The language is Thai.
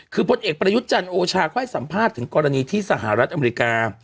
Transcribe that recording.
คือพลเอกประยุทธ์จันทร์โอชาค่อยสัมภาษณ์ถึงกรณีที่สหรัฐอเมริกา